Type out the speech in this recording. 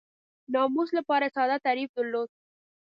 ناموس لپاره یې ساده تعریف درلود.